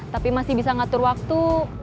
tapi masih bisa ngatur waktu